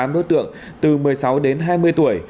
tám đối tượng từ một mươi sáu đến hai mươi tuổi